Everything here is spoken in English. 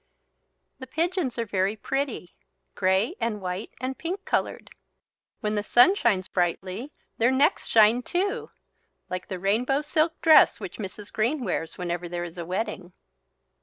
The pigeons are very pretty, grey and white and pink coloured. When the sun shines brightly their necks shine too, like the rainbow silk dress which Mrs. Green wears whenever there is a wedding.